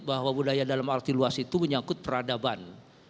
bahwa budaya dalam arti luas itu menyangkut peradaban